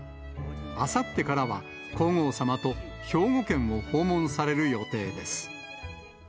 あさってからは、皇后さまと兵庫県を訪問される予定です。